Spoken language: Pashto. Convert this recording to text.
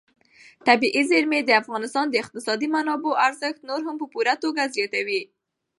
طبیعي زیرمې د افغانستان د اقتصادي منابعو ارزښت نور هم په پوره توګه زیاتوي.